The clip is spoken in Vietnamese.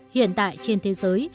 hiện tại trên thế giới